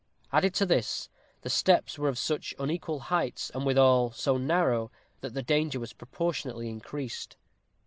Added to this, the steps were of such unequal heights, and withal so narrow, that the danger was proportionately increased.